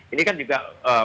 ini kan juga